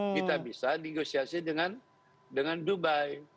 kita bisa negosiasi dengan dubai